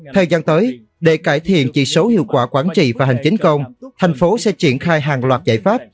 thời gian tới để cải thiện chỉ số hiệu quả quản trị và hành chính công thành phố sẽ triển khai hàng loạt giải pháp